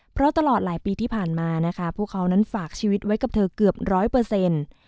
เพราะตลอดหลายปีที่ผ่านมานะคะพวกเขานั้นฝากชีวิตไว้กับเธอเกือบร้อยเปอร์เซ็นต์